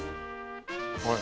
はい。